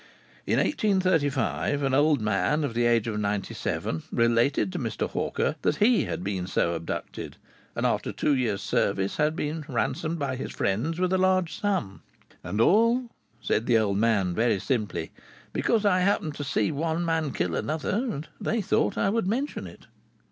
In 1835, an old man of the age of ninety seven related to Mr. Hawker that he had been so abducted, and after two years' service had been ransomed by his friends with a large sum. "And all," said the old man very simply, "because I happened to see one man kill another, and they thought I would mention it."